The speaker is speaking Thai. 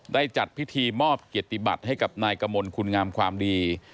ได้จัดพิธีมอบเกียรติบัติให้กับนายกมลคุณงามความดี